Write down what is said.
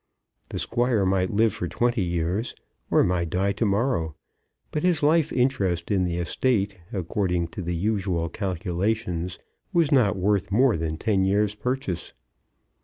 The Squire might live for twenty years, or might die to morrow; but his life interest in the estate, according to the usual calculations, was not worth more than ten years' purchase.